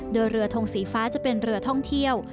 โดยเรือทงสีฟ้าจะเป็นเรือท่องเที่ยว